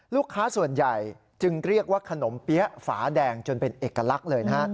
ลูกค้าส่วนใหญ่จึงเรียกว่าขนมเปี๊ยะฝาแดงจนเป็นเอกลักษณ์เลยนะฮะ